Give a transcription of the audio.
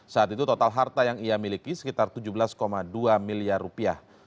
saat itu total harta yang ia miliki sekitar tujuh belas dua miliar rupiah